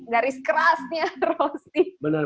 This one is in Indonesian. garis kerasnya rossi